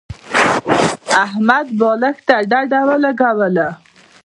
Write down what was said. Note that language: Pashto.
احمد بالښت ته ډډه ولګوله.